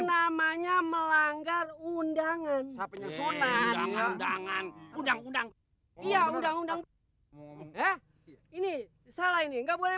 namanya melanggar undangan penyusunan undangan undang undang iya undang undang ya ini salah ini enggak boleh